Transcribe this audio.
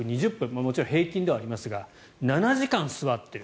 もちろん平均ではありますが７時間座っている。